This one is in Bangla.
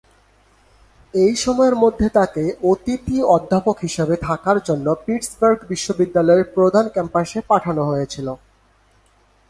এই সময়ের মধ্যে তাকে অতিথি অধ্যাপক হিসেবে থাকার জন্য পিটসবার্গ বিশ্ববিদ্যালয়ের প্রধান ক্যাম্পাসে পাঠানো হয়েছিল।